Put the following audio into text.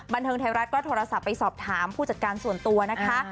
บันเทิงไทยรัฐก็โทรศัพท์ไปสอบถามผู้จัดการส่วนตัวนะคะ